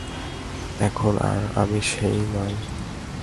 এখন আর আমি সে নই।